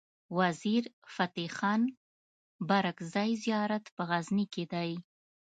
وزیر فتح خان بارګزی زيارت په غزنی کی دی